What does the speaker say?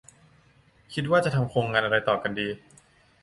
คิดว่าจะทำโครงงานอะไรกันต่อดี